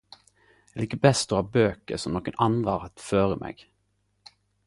Eg likar best å ha bøker som nokon andre har hatt føre meg.